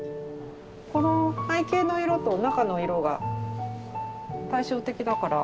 この背景の色と中の色が対照的だから。